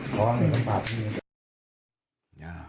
ต้องรักษากับผิว